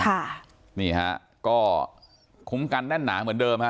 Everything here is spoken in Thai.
ค่ะนี่ฮะก็คุ้มกันแน่นหนาเหมือนเดิมฮะ